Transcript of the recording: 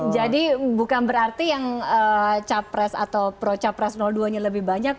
jadi bukan berarti yang capres atau pro capres dua nya lebih banyak